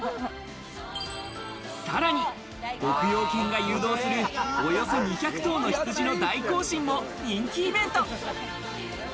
さらに牧羊犬が誘導する、およそ２００頭の羊の大行進も人気イベント。